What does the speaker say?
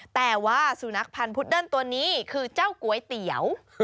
แต่ว่าสุนัขพันธ์พุดเดิ้ลตัวนี้คือเจ้าก๋วยเตี๋ยว